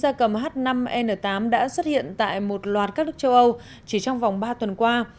virus cúm da cầm h năm n tám đã xuất hiện tại một loạt các nước châu âu chỉ trong vòng ba tuần qua